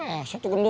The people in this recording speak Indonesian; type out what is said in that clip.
eh satu gendut